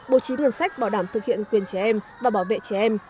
bố trí ngân sách bảo đảm thực hiện quyền trẻ em và bảo vệ trẻ em